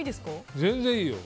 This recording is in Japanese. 全然いいよ。